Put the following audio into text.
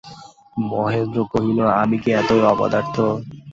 মহেন্দ্র কহিল, আমি কি এতই অপদার্থ।